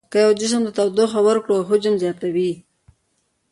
که یو جسم ته تودوخه ورکړو حجم یې زیاتوي.